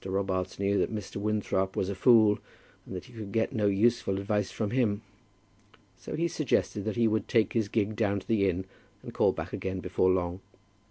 Robarts knew that Mr. Winthrop was a fool, and that he could get no useful advice from him. So he suggested that he would take his gig down to the inn, and call back again before long.